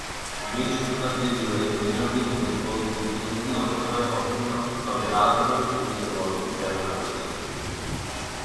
বিংশ শতাব্দী জুড়ে, major League baseball দুটি প্রযুক্তিগতভাবে অভিন্ন, তবে আলাদাভাবে চিহ্নিত বল ব্যবহার করেছিল।